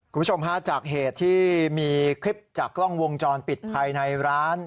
คุณผู้ชมฮะจากเหตุที่มีคลิปจากกล้องวงจรปิดภายในร้าน